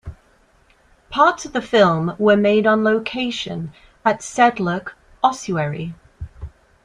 Parts of the film were made on location at Sedlec Ossuary.